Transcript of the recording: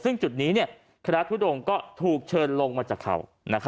ซึ่งจุดนี้คลิปทุดองค์เขาถูกเชิงลงมาจากเขา